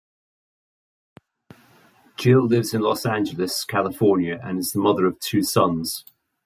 Gill lives in Los Angeles, California and is the mother of two sons.